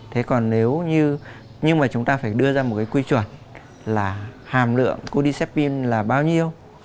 thế còn nếu như nhưng mà chúng ta phải đưa ra một cái quy chuẩn là hàm lượng cody serpine là bao nhiêu